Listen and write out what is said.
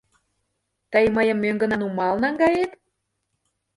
Тый мыйым мӧҥгына нумал наҥгает?